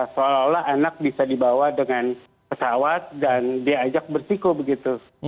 seolah olah anak bisa dibawa dengan pesawat dan diajak bersiku begitu